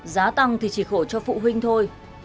giá tăng thì chỉ khổ cho phụ huynh thôi